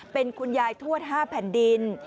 เป็นคุณยายทวด๕แผ่นดิน